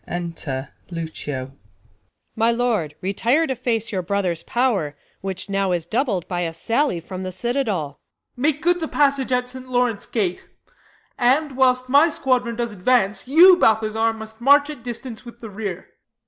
Enter Lucio. Luc. My lord, retire to face your brother's pow'r, Which now is doubled by a sally from The citadel. Ben. Make good the passage at Saint Laurence Gate : And, whilst my squadron does advance, You, Balthazar, must march at distance with The rear.